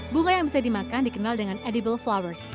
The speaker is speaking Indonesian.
bunga yang bisa dimakan dikenal dengan edible flowers